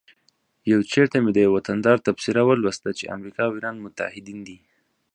یو چیرته مې د یوه وطندار تبصره ولوسته چې امریکا او ایران متعهدین دي